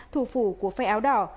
thủ phủ của phe áo đỏ